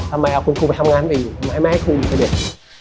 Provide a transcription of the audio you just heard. ทำไมเอาคุณครูไปทำงานอื่นทำไมไม่ให้ครูอยู่คนเดียว